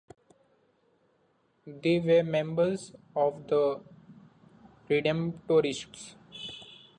They were members of the Redemptorists.